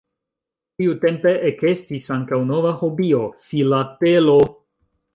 Tiutempe ekestis ankaŭ nova hobio: Filatelo.